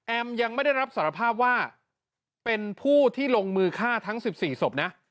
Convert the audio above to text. ยังไม่ได้รับสารภาพว่าเป็นผู้ที่ลงมือฆ่าทั้ง๑๔ศพนะ